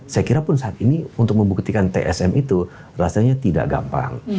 saya kira pun saat ini untuk membuktikan tsm itu rasanya tidak gampang